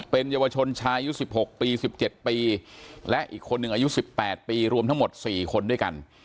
เป็นเยาวชนชายอายุ๑๖ปี๑๗ปีและอีกคนหนึ่งอายุ๑๘ปีรวมทั้งหมด๔คนด้วยกัน